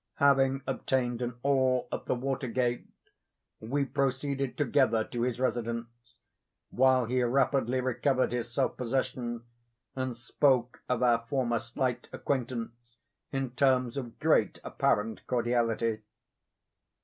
Having obtained an oar at the water gate, we proceeded together to his residence, while he rapidly recovered his self possession, and spoke of our former slight acquaintance in terms of great apparent cordiality.